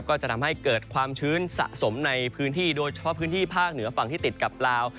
ก็จะทำให้เกิดความชื้นสะสมในพื้นที่โดยเฉพาะพื้นที่ภาคเหนือฝั่งที่ติดกับลาว